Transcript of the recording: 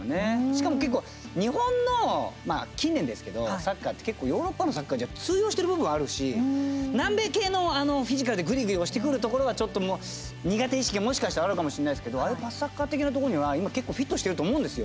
しかも日本の近年、サッカーって結構ヨーロッパのサッカーで通用してる部分あるし南米系のフィジカルで、ぐいぐい押してくるところが苦手意識があるかもしれないですけどああいうパスサッカー的なところには今、フィットしてると思うんです。